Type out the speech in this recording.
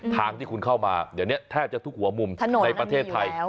ทางที่คุณเข้ามาแทบจะทุกหัวมุมในประเทศไทย